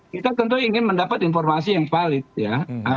kita tentu ingin mendapat informasi yang valid ya